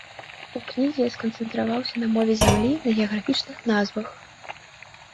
У кнізе я сканцэнтраваўся на мове зямлі, на геаграфічных назвах.